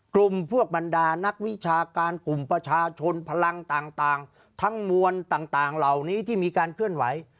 กลุ่มพวกบรรดานักวิชาการกลุ่มประชาชนพลังต่างทั้งมวลต่างเหล่านี้ที่มีการเคลื่อนไหว